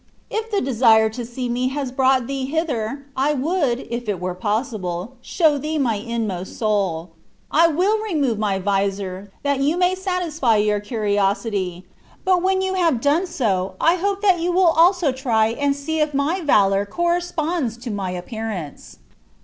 If the desire to see me has brought thee hither, I would, if it were possible, show thee my inmost soul. I will remove my visor, that you may satisfy your curiosity; but when you have done so I hope that you will also try and see if my valor corresponds to my appearance."